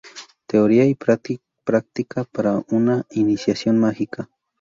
Teoría y práctica para una iniciación mágica.